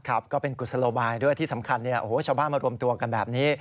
ครับก็เป็นกุศลบายด้วยที่สำคัญเนี่ยโอ้โหชาวบ้านมารวมตัวกันแบบนี้